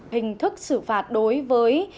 hình thức xử phạt đối với